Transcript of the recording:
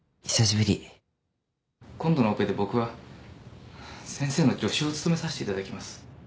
今度のオペで僕は先生の助手を務めさせていただきます。